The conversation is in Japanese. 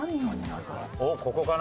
おっここかな？